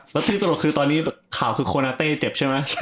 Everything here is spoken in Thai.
แล้วที่ตรงจากคือค่าวคือโคนาตเตตเจ็บใช่ไหม